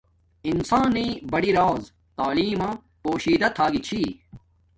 انسان نݵݵ بڑی راز تعیلم ما پوشیدہ تھا گی چھی